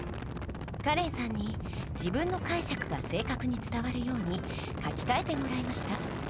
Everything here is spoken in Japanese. カレンさんに自分の解釈が正確に伝わるように書き換えてもらいました。